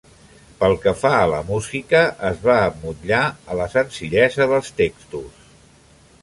Pel que fa a la música, es va emmotllar a la senzillesa dels textos.